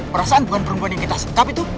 perasaan bukan perempuan yang kita setap itu